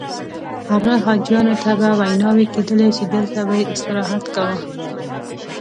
هغه حاجیانو ته به ویناوې کېدلې چې دلته به یې استراحت کاوه.